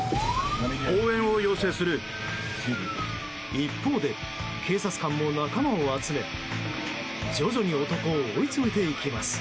一方で警察官も仲間を集め徐々に男を追い詰めていきます。